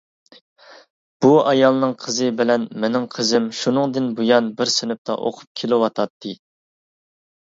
بۇ ئايالنىڭ قىزى بىلەن مېنىڭ قىزىم شۇنىڭدىن بۇيان بىر سىنىپتا ئوقۇپ كېلىۋاتاتتى.